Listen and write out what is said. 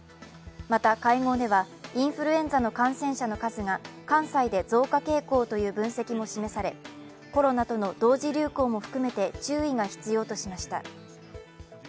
また、会合ではインフルエンザの感染者の数が関西で増加傾向という分析も示され、コロナとの同時流行も含めて注意が必要としました。